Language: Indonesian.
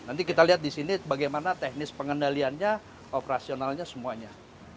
nanti kita lihat di sini bagaimana teknis pengendaliannya operasionalnya semuanya